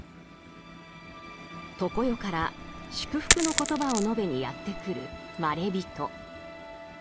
常世から「祝福の言葉」を述べにやって来るまれびと。